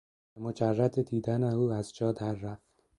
به مجرد دیدن او ازجا دررفت.